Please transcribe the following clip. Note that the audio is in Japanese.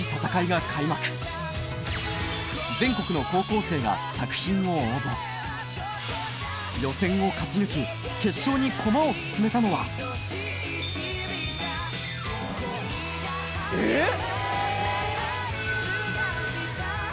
が開幕全国の高校生が作品を応募予選を勝ち抜き決勝に駒を進めたのはえっ！